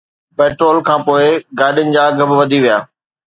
petrol کانپوءِ گاڏين جا اگهه به وڌي ويا